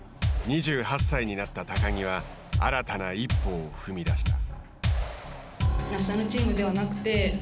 ２８歳になった高木は新たな一歩を踏み出した。